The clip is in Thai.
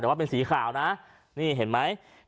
แต่ว่าเป็นสีขาวนะนี่เห็นไหม